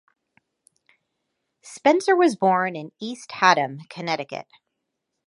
Spencer was born in East Haddam, Connecticut.